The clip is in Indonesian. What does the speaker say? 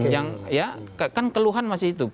yang ya kan keluhan masih itu